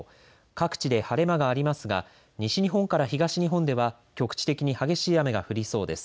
各地で晴れ間がありますが西日本から東日本では局地的に激しい雨が降りそうです。